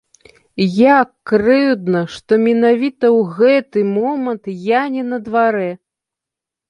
Як крыўдна, што менавіта ў гэты момант я не на дварэ!